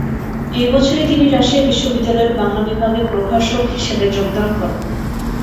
এ বছরই তিনি রাজশাহী বিশ্ববিদ্যালয়ের বাংলা বিভাগে প্রভাষক হিসেবে যোগদান করেন।